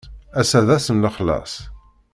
Ass-a d ass n lexlaṣ?